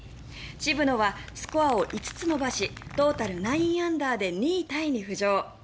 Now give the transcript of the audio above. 渋野はスコアを５つ伸ばしトータル９アンダーで２位タイに浮上。